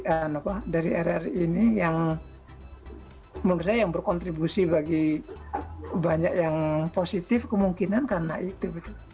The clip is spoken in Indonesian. apa dari rri ini yang menurut saya yang berkontribusi bagi banyak yang positif kemungkinan karena itu